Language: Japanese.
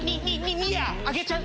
あげちゃう！